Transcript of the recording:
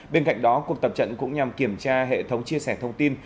bên cạnh đó cuộc tập trận cũng nhằm kiểm tra hệ thống chia sẻ thông tin